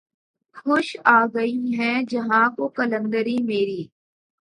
خوش آ گئی ہے جہاں کو قلندری میری